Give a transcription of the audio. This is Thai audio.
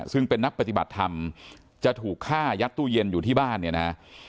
ซึ่งเป็นนักปฏิบัติธรรมจะถูกฆ่ายัดตู้เย็นอยู่ที่บ้านเนี่ยนะ